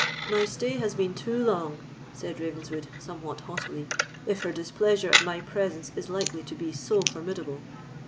"My stay has been too long," said Ravenswood, somewhat haughtily, "if her displeasure at my presence is likely to be so formidable.